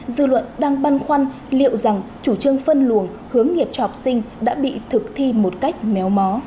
dư luận đang băn khoăn liệu rằng chủ trương phân luồng hướng nghiệp cho học sinh đã bị thực thi một cách méo mó